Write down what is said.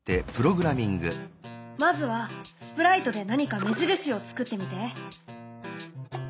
まずはスプライトで何か目印を作ってみて。